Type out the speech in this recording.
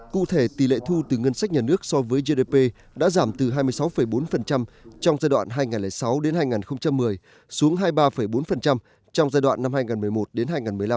cụ thể tỷ lệ thu từ ngân sách nhà nước so với gdp đã giảm từ hai mươi sáu bốn trong giai đoạn hai nghìn sáu đến hai nghìn một mươi xuống hai mươi ba bốn trong giai đoạn năm hai nghìn một mươi một đến hai nghìn một mươi năm